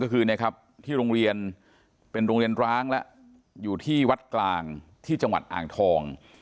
ก็คือที่โรงเรียนเป็นโรงเรียนร้างแล้วอยู่ที่วัดกลางที่จังหวัดอ่างทอง